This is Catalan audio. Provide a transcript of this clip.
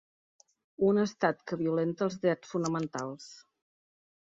Un estat que violenta els drets fonamentals